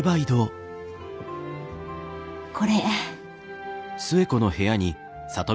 これ。